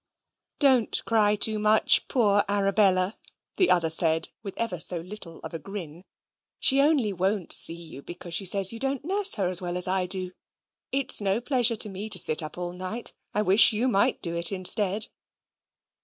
"Don't cry too much, poor Arabella," the other said (with ever so little of a grin); "she only won't see you, because she says you don't nurse her as well as I do. It's no pleasure to me to sit up all night. I wish you might do it instead."